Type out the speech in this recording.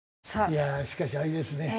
いやあしかしあれですね。